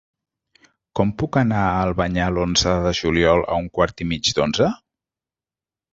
Com puc anar a Albanyà l'onze de juliol a un quart i mig d'onze?